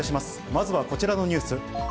まずはこちらのニュース。